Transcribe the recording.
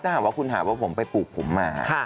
ถ้าหากว่าคุณหาว่าผมไปปลูกผมมา